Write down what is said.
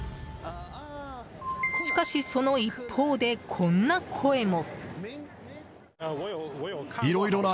しかし、その一方でこんな声も。